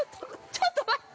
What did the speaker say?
ちょっと待って。